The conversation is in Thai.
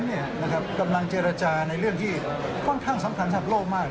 เนี้ยนะครับกำลังเจรจาในเรื่องที่ค่อนข้างสำคัญสำหรับโลกมาก